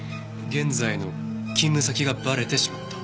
現在の勤務先がばれてしまった。